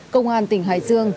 công an tỉnh hải dương